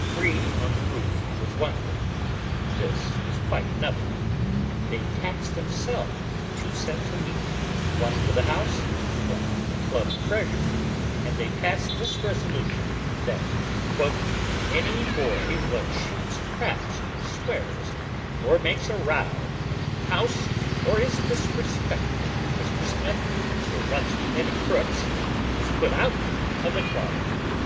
Free on the roof was one thing; this was quite another. They taxed themselves two cents a week, one for the house, one for the club treasury, and they passed this resolution that "any boy wot shoots craps or swears, or makes a row in the house or is disrespectful to Mr. Smith or runs with any crooks, is put out of the club."